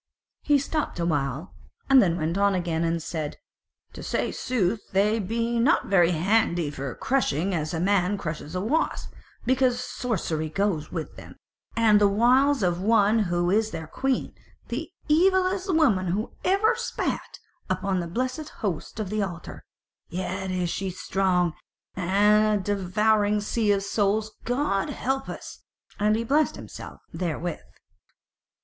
He stopped awhile and then went on again and said: "To say sooth they be not very handy for crushing as a man crushes a wasp, because sorcery goes with them, and the wiles of one who is their Queen, the evilest woman who ever spat upon the blessed Host of the Altar: yet is she strong, a devouring sea of souls, God help us!" And he blessed himself therewith.